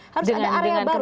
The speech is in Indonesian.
harus ada area baru